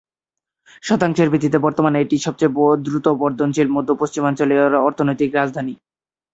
শতাংশের ভিত্তিতে বর্তমানে এটি সবচেয়ে দ্রুত বর্ধনশীল মধ্য-পশ্চিমাঞ্চলীয় অর্থনৈতিক রাজধানী।